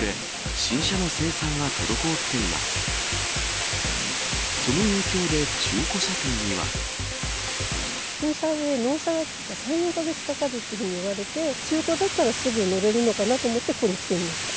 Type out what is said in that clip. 新車で納車が３、４か月かかるって言われて、中古だったらすぐ乗れるのかなと思ってここに来てみました。